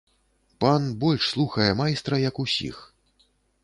Пан больш слухае майстра, як усіх.